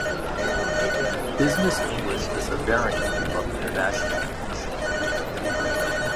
Business English is a variant of international English.